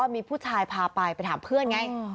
มีผู้ชายพาไปไปถามเพื่อนไง